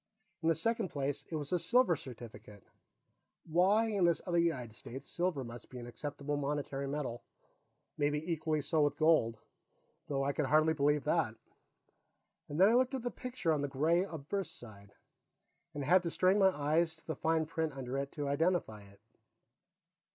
In the second place, it was a silver certificate; why, in this other United States, silver must be an acceptable monetary metal; maybe equally so with gold, though I could hardly believe that. Then I looked at the picture on the gray obverse side, and had to strain my eyes on the fine print under it to identify it.